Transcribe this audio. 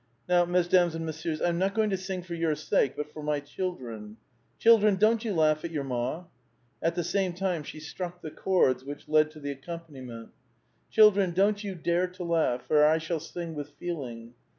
Now, mesdames and messieurs, I am not going to sing for 3*our sake, but for my children. Children, don't you laugh at your ma !" At the same time she struck the chords which lead to the accom paniment. "Children, don't you dare to laugh, for I shall sing with feeling."